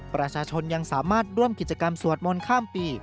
ประชาชนยังสามารถร่วมกิจกรรมสวดมนต์ข้ามปี